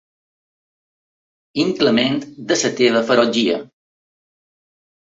Inclement de la teva ferotgia.